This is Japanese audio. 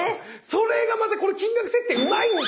それがまたこの金額設定うまいんですよ。